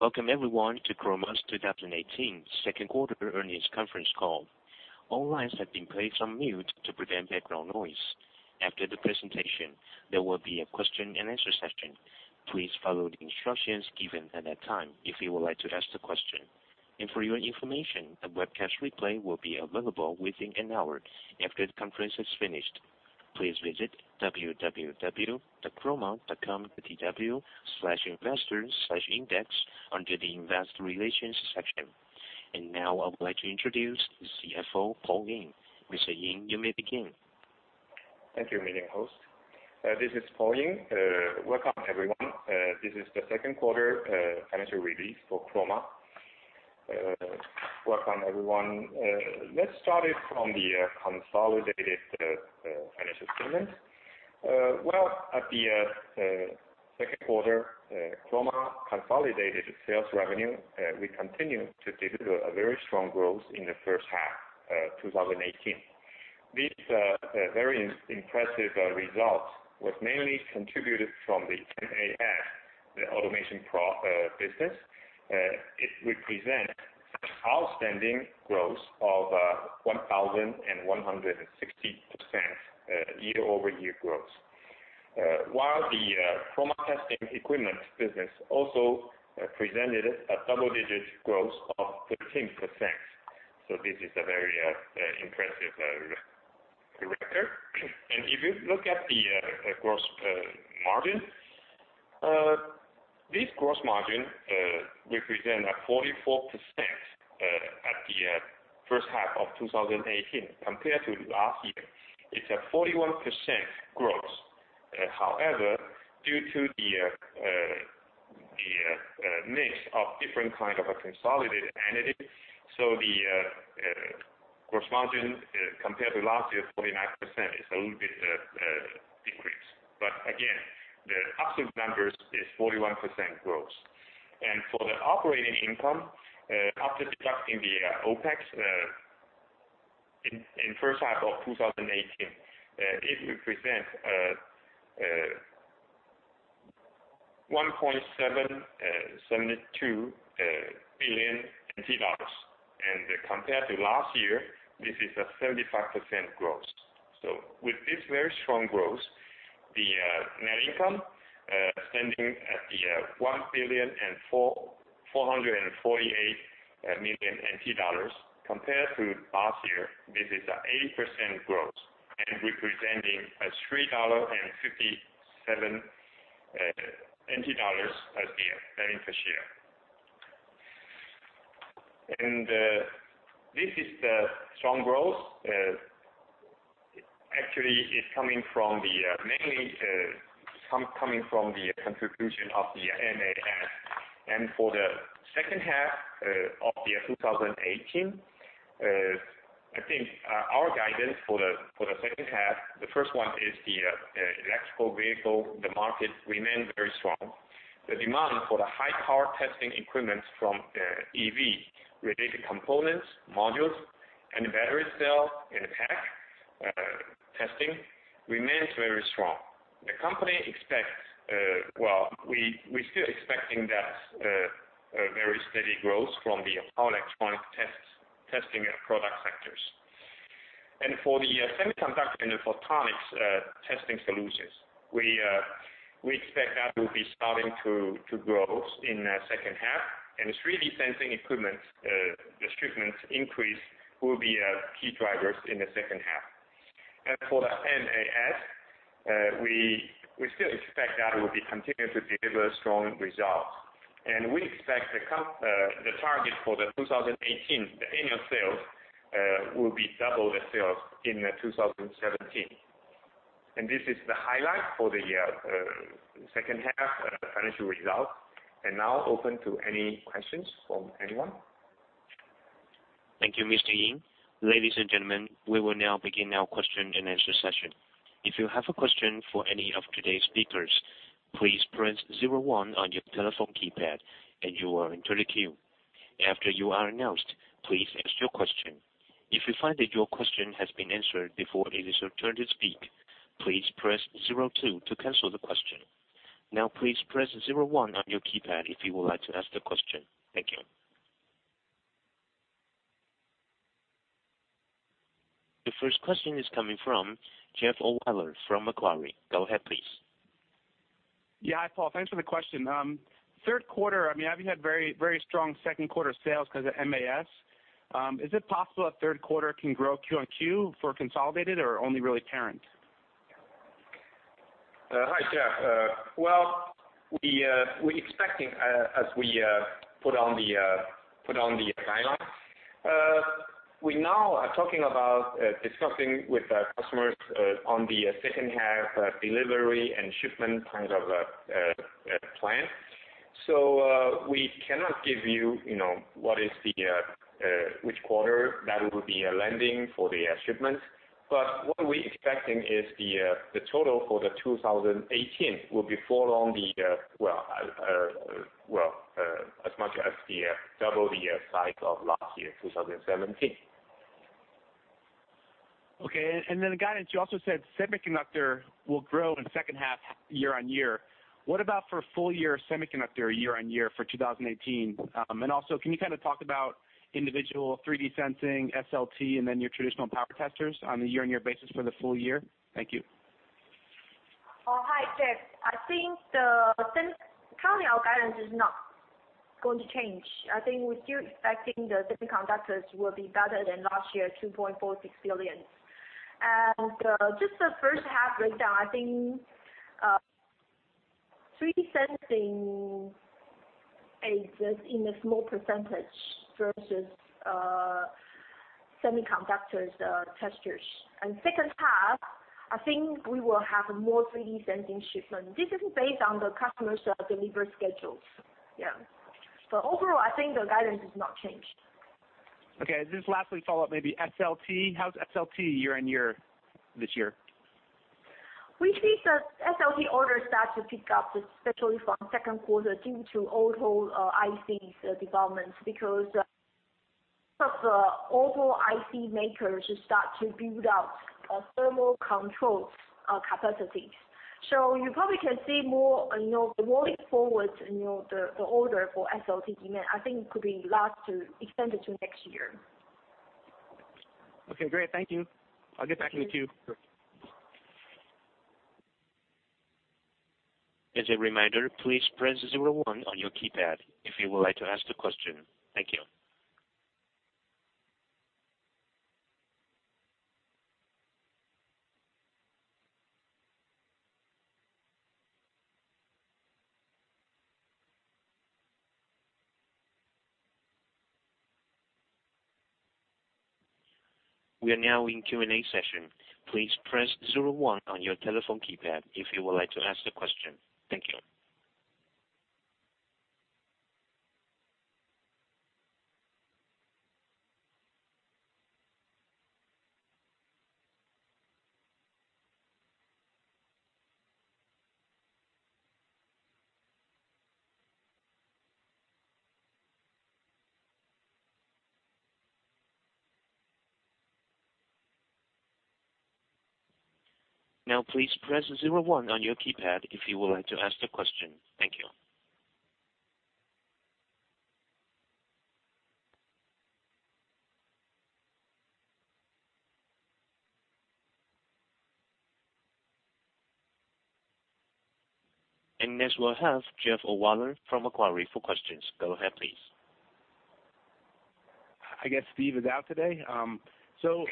Welcome everyone to Chroma's 2018 second quarter earnings conference call. All lines have been placed on mute to prevent background noise. After the presentation, there will be a question and answer session. Please follow the instructions given at that time if you would like to ask the question. For your information, a webcast replay will be available within an hour after the conference is finished. Please visit www.chroma.com.tw/investor/index under the Investor Relations section. Now I would like to introduce the CFO, Paul Ying. Mr. Ying, you may begin. Thank you, meeting host. This is Paul Ying. Welcome, everyone. This is the second quarter financial release for Chroma. Welcome, everyone. Let's start it from the consolidated financial statement. Well, at the second quarter, Chroma consolidated sales revenue, we continue to deliver a very strong growth in the first half of 2018. This very impressive result was mainly contributed from the MAS, the automation business. It represents outstanding growth of 1,160% year-over-year growth. While the Chroma testing equipment business also presented a double-digit growth of 13%. This is a very impressive record. If you look at the gross margin, this gross margin represents 44% at the first half of 2018 compared to last year. It's a 41% growth. However, due to the mix of different kinds of consolidated entities, the gross margin, compared to last year, 49%, is a little bit decreased. Again, the absolute number is 41% growth. For the operating income, after deducting the OPEX, in first half of 2018, it represents TWD 1.772 billion. Compared to last year, this is a 35% growth. With this very strong growth, the net income standing at 1.448 billion compared to last year, this is an 80% growth and representing TWD 3.57 per share, earnings per share. This is the strong growth. Actually, it's mainly coming from the contribution of the MAS. For the second half of 2018, I think our guidance for the second half, the first one is the electrical vehicle, the market remains very strong. The demand for the high-power testing equipment from EV-related components, modules, and battery cell and pack testing remains very strong. The company expects, well, we're still expecting that very steady growth from the power electronic testing product sectors. For the semiconductor and photonics testing solutions, we expect that will be starting to grow in the second half, and 3D sensing equipment shipments increase will be key drivers in the second half. For the MAS, we still expect that it will be continuing to deliver strong results. We expect the target for 2018, the annual sales will be double the sales in 2017. This is the highlight for the second half financial results. Now open to any questions from anyone. Thank you, Mr. Ying. Ladies and gentlemen, we will now begin our question and answer session. If you have a question for any of today's speakers, please press zero one on your telephone keypad and you are in the queue. After you are announced, please ask your question. If you find that your question has been answered before it is your turn to speak, please press zero two to cancel the question. Now, please press zero one on your keypad if you would like to ask the question. Thank you. The first question is coming from Jeff Ohlweiler from Macquarie. Go ahead, please. Hi, Paul. Thanks for the question. Third quarter, having had very strong second quarter sales because of MAS, is it possible that third quarter can grow Q on Q for consolidated or only really parent? Hi, Jeff. We're expecting, as we put on the guidelines. We now are talking about discussing with customers on the second half delivery and shipment plans. We cannot give you, which quarter that will be landing for the shipment. What we're expecting is the total for the 2018 will be as much as double the size of last year, 2017. The guidance, you also said semiconductor will grow in second half year-on-year. What about for full year semiconductor year-on-year for 2018? Can you talk about individual 3D sensing, SLT, and then your traditional power testers on a year-on-year basis for the full year? Thank you. Oh, hi, Jeff. I think currently our guidance is not going to change. I think we're still expecting the semiconductors will be better than last year, 2.46 billion. Just the first half breakdown, I think 3D sensing exists in a small percentage versus semiconductors testers. Second half, I think we will have more 3D sensing shipment. This is based on the customers' delivery schedules. Yeah. Overall, I think the guidance has not changed. Okay. Just lastly, to follow up, maybe SLT. How's SLT year-on-year this year? We see the SLT orders start to pick up, especially from second quarter, due to automotive IC developments, because of automotive IC makers start to build out thermal control capacities. You probably can see more rolling forward, the order for SLT demand, I think could be last to extend into next year. Okay, great. Thank you. I'll get back with you. As a reminder, please press 01 on your keypad if you would like to ask the question. Thank you. We are now in Q&A session. Please press 01 on your telephone keypad if you would like to ask the question. Thank you. Now, please press 01 on your keypad if you would like to ask the question. Thank you. Next we'll have Jeff Ohlweiler from Macquarie for questions. Go ahead, please. I guess Steve is out today. The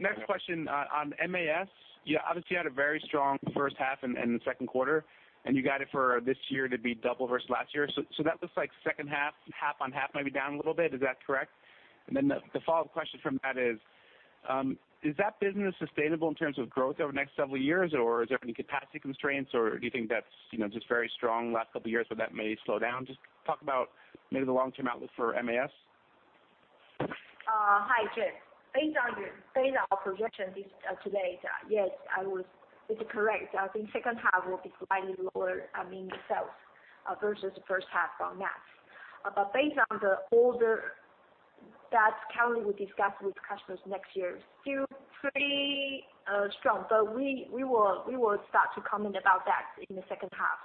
next question on MAS. You obviously had a very strong first half in the second quarter, and you got it for this year to be double versus last year. That looks like second half on half, maybe down a little bit. Is that correct? Then the follow-up question from that is that business sustainable in terms of growth over the next several years, or is there any capacity constraints, or do you think that's just very strong last couple of years, but that may slow down? Just talk about maybe the long-term outlook for MAS. Hi, Jeff. Based on our projection today, yes, it is correct. I think second half will be slightly lower, I mean, sales versus first half on that. Based on the order that currently we discussed with customers next year, still pretty strong. We will start to comment about that in the second half.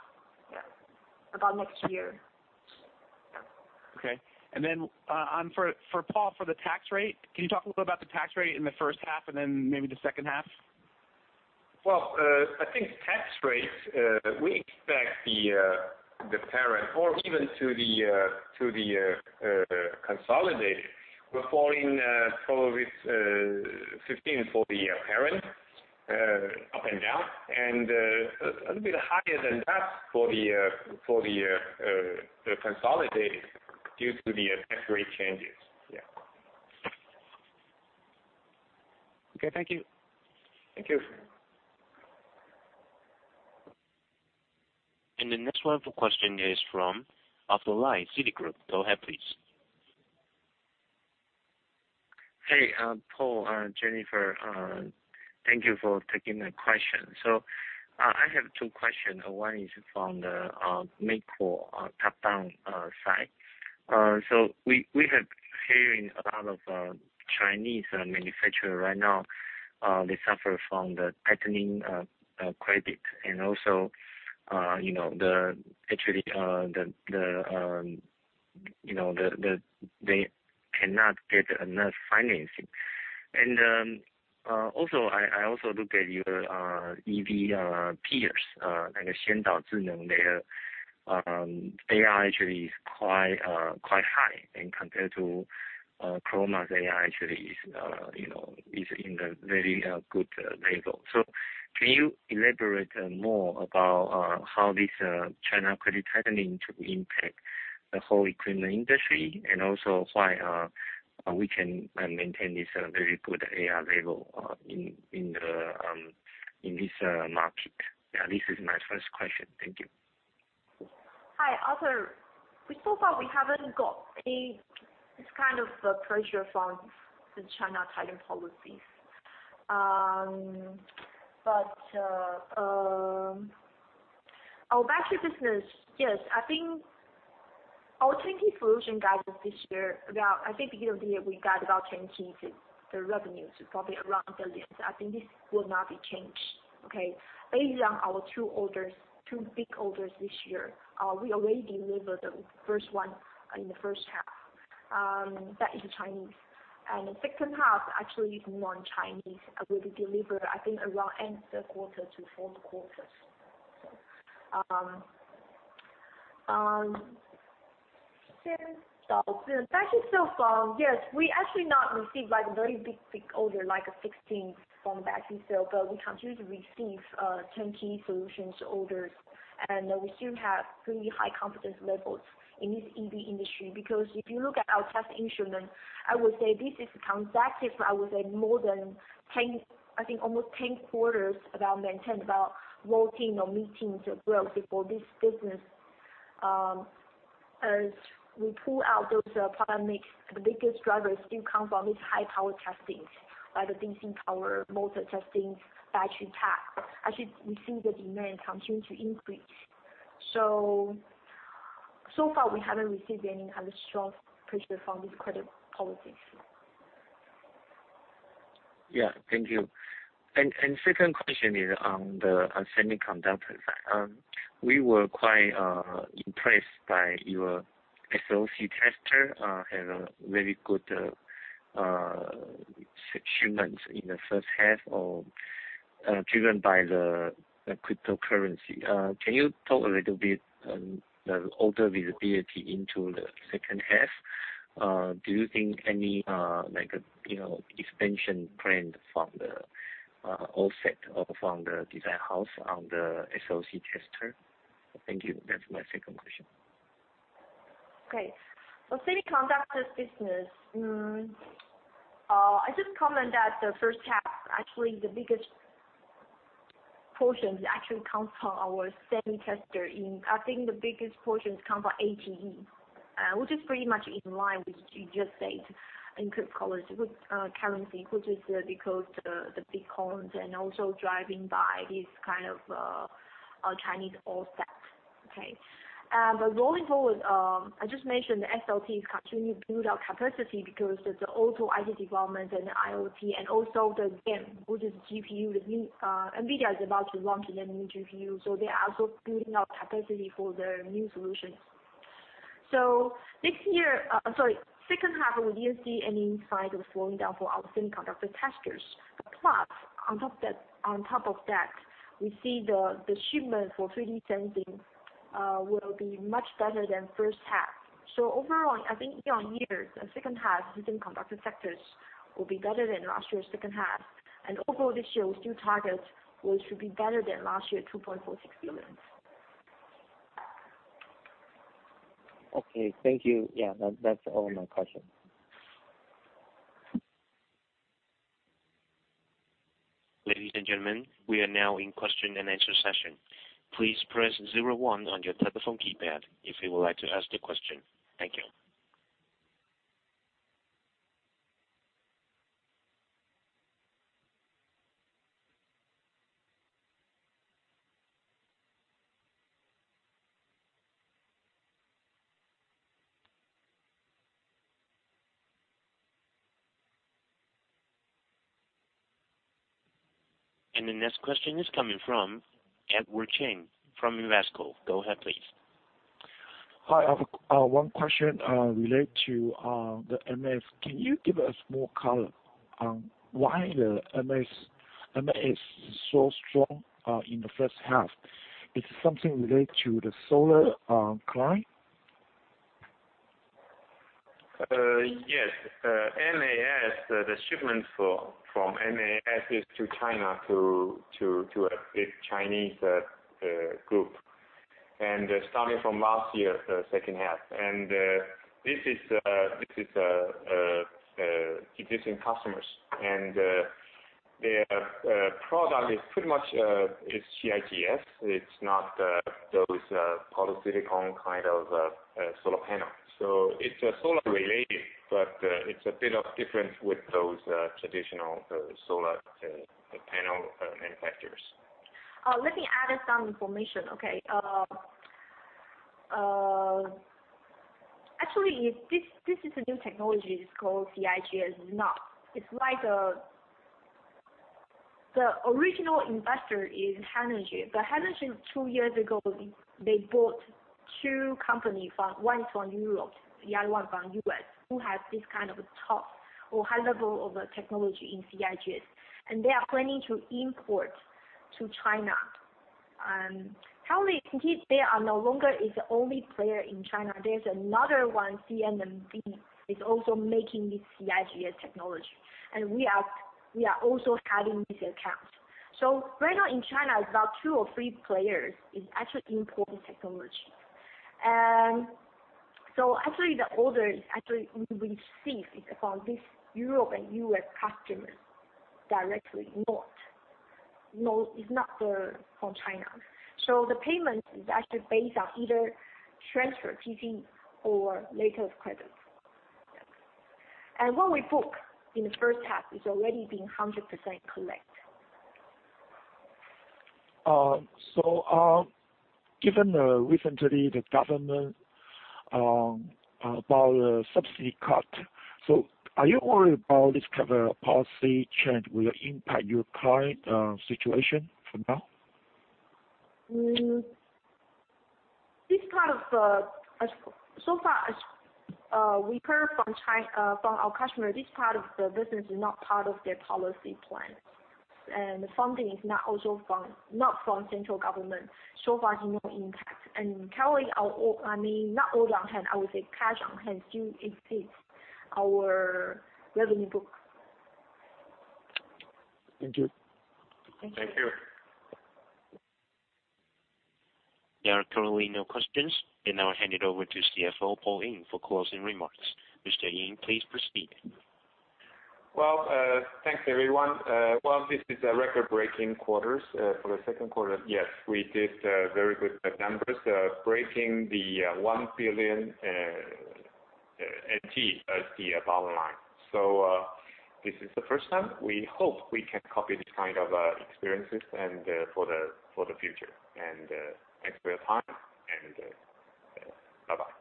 Yeah. About next year. Okay. Then for Paul, for the tax rate, can you talk a little about the tax rate in the first half and then maybe the second half? Well, I think tax rates, we expect the parent or even to the consolidated, we're falling probably 15% for the parent, up and down, and a little bit higher than that for the consolidated, due to the tax rate changes. Yeah. Okay. Thank you. Thank you. The next one for question is from Arthur Lai, Citigroup. Go ahead, please. Hey, Paul, Jennifer. Thank you for taking the question. I have two questions. One is from the main core top-down side. We have been hearing a lot of Chinese manufacturer right now, they suffer from the tightening of credit. Also, they cannot get enough financing. I also look at your EV peers, like Xian dao Zhi Neng, their AR actually is quite high when compared to Chroma's AR, actually is in a very good level. Can you elaborate more about how this China credit tightening to impact the whole equipment industry, and also why we can maintain this very good AR level in this market? This is my first question. Thank you. Hi, Arthur. So far, we haven't got any kind of pressure from the China tightening policies. Our battery business. I think our turnkey solution guidance this year, I think beginning of the year, we guide about turnkey the revenue to probably around 1 billion. I think this will not be changed. Based on our two big orders this year, we already delivered the first one in the first half. That is Chinese. The second half, actually, is more Chinese will be delivered, I think around end of the quarter to fourth quarter. Battery cell. We actually not received a very big order, like a 16 from battery cell, but we continue to receive turnkey solutions orders, and we still have pretty high confidence levels in this EV industry. If you look at our test instrument, I would say this is consecutive, I would say more than 10, I think almost 10 quarters about maintaining, about rolling or meetings as well before this business. As we pull out those product mix, the biggest drivers still come from these high-power testings, like the DC power motor testing, battery pack. Actually, we see the demand continue to increase. So far, we haven't received any other strong pressure from these credit policies. Thank you. Second question is on the semiconductor side. We were quite impressed by your SOC tester, had a very good six months in the first half, driven by the cryptocurrency. Can you talk a little bit on the order visibility into the second half? Do you think any expansion plan from the offset or from the design house on the SOC tester? Thank you. That's my second question. Okay. Semiconductor business. I just comment that the first half, actually, the biggest portion actually comes from our semi tester in, I think, the biggest portions come from ATE, which is pretty much in line with what you just said in cryptocurrency, which is because the bitcoins and also driving by this kind of Chinese offset. Rolling forward, I just mentioned the SLT continue to build out capacity because there's also IT development and Internet of Things, and also the, again, with this GPU, NVIDIA is about to launch their new GPU, so they are also building out capacity for their new solutions. Second half, we didn't see any sign of slowing down for our semiconductor testers. Plus, on top of that, we see the shipment for 3D sensing will be much better than first half. Overall, I think year-on-year, the second half semiconductor sectors will be better than last year's second half. Overall, this year, we still target what should be better than last year, 2.46 billion. Okay. Thank you. Yeah, that's all my questions. Ladies and gentlemen, we are now in question and answer session. Please press 01 on your telephone keypad if you would like to ask a question. Thank you. The next question is coming from Edward Cheng from Invesco. Go ahead, please. Hi. I have one question related to the MAS. Can you give us more color on why the MAS is so strong in the first half? Is it something related to the solar client? Yes. The shipments for MAS is to China, to a big Chinese group, starting from last year second half. This is existing customers, and their product is pretty much CIGS. It's not those polysilicon kind of solar panel. It's solar-related, but it's a bit of different with those traditional solar panel manufacturers. Let me add some information, okay. Actually, this is a new technology. It's called CIGS. The original investor is Hanergy. Hanergy, two years ago, they bought two company, one is from Europe, the other one from U.S., who has this kind of top or high level of technology in CIGS, and they are planning to import to China. Currently, they are no longer is the only player in China. There's another one, CMEC, is also making this CIGS technology, and we are also having these accounts. Right now in China, about two or three players is actually importing technology. Actually, the orders we receive is from this Europe and U.S. customers directly, it's not from China. The payment is actually based on either transfer, T/T, or letter of credit. What we book in the first half is already being 100% collect. Given recently the government subsidy cut, are you worried about this kind of policy change will impact your current situation for now? Far, we heard from our customer, this part of the business is not part of their policy plan, and the funding is not from central government. Far, there's no impact. Currently, our net order on hand, I would say cash on hand still exceeds our revenue book. Thank you. Thank you. Thank you. There are currently no questions. We now hand it over to CFO, Paul Ying, for closing remarks. Mr. Ying, please proceed. Well, thanks everyone. Well, this is a record-breaking quarter for the second quarter. Yes, we did very good numbers, breaking the 1 billion as the bottom line. This is the first time. We hope we can copy this kind of experience for the future. Thanks for your time, and bye-bye.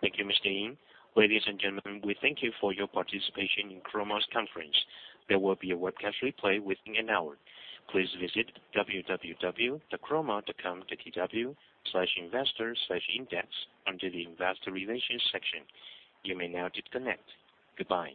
Thank you, Mr. Ying. Ladies and gentlemen, we thank you for your participation in Chroma's conference. There will be a webcast replay within an hour. Please visit www.chroma.com.tw/investor/index under the investor relations section. You may now disconnect. Goodbye